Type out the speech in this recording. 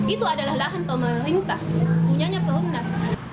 itu adalah lahan pemerintah punyanya pelunas